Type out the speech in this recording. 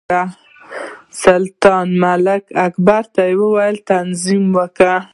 سلطان ملک کبیر ته وویل چې تعظیم وکړه.